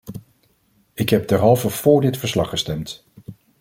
Ik heb derhalve vóór dit verslag gestemd.